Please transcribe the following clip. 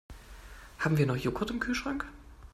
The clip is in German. Haben wir noch Joghurt im Kühlschrank?